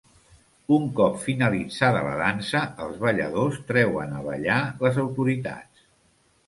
Un cop finalitzada la Dansa, els balladors treuen a ballar les autoritats.